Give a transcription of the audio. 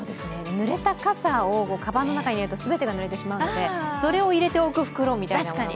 ぬれた傘をかばんに入れると全てがふれてしまうので、それを入れておく袋みたいなものが。